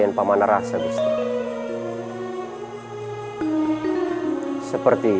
yang merendahkan memidocused vol project ini